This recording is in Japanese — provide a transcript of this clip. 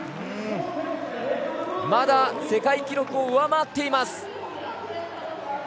まだ世界記録を上回っています。